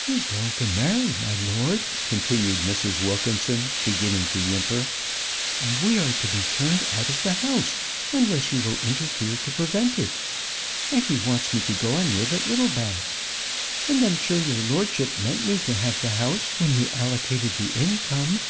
"He's going to marry, my lord," continued Mrs. Wilkinson, beginning to whimper; "and we are to be turned out of the house, unless you will interfere to prevent it. And he wants me to go and live at Littlebath. And I'm sure your lordship meant me to have the house when you allocated the income."